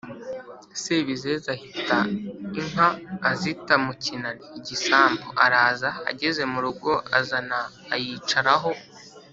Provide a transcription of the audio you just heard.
Sebizeze ahita inka azita mu kinani(igisambu) araza, ageze mu rugo azana ayicaraho